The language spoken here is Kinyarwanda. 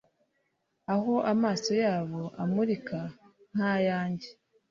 aho amaso yabo amurika nka yanjye